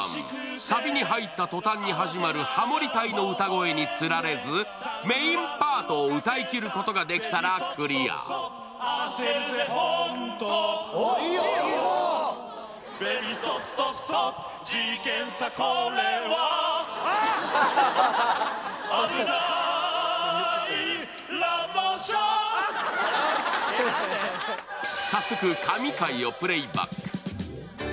サビに入ったとたんに始まるハモり隊の歌声につられずメインパートを歌いきることができたらクリア早速、神回をプレーバック。